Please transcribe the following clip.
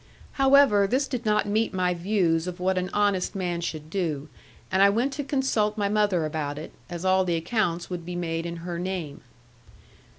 However this did not meet my views of what an honest man should do; and I went to consult my mother about it, as all the accounts would be made in her name.